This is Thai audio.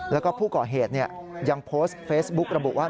แล้วก็ผู้ก่อเหตุยังโพสต์เฟซบุ๊กระบุว่า